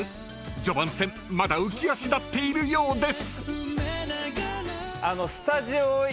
［序盤戦まだ浮足立っているようです］